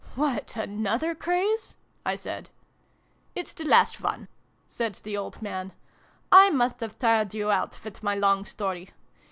" What, another craze ?" I said. "It's the last one," said the old man. " I must have tired you out with my long story.